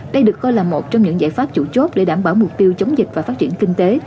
đây được coi là một trong những giải pháp chủ chốt để đảm bảo mục tiêu chống dịch và phát triển kinh tế